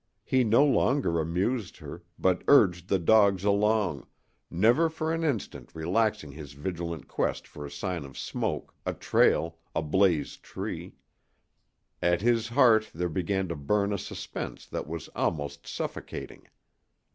He no longer amused her, but urged the dogs along, never for an instant relaxing his vigilant quest for a sign of smoke, a trail, a blazed tree. At his heart there began to burn a suspense that was almost suffocating.